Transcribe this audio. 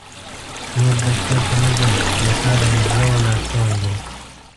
نور دفتر ته نه ځم؛ له کار مې زړه ولاړ شوی دی.